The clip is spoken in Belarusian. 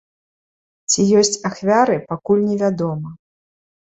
Ці ёсць ахвяры, пакуль невядома.